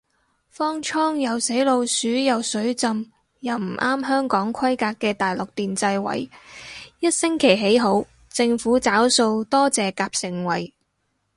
方艙又死老鼠又水浸又唔啱香港規格嘅大陸電掣位，一星期起好，政府找數多謝夾盛惠